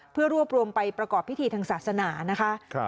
เพื่อรวบรวมไปประกอบพิธีทางศาสนานะคะ